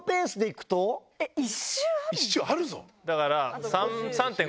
だから。